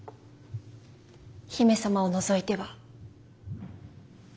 姫様を除いては。